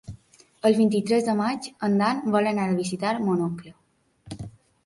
El vint-i-tres de maig en Dan vol anar a visitar mon oncle.